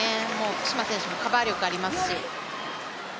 福島選手もカバー力がありますし。